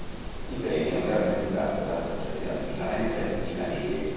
Il premio è organizzato dall'associazione milanese "I Navigli".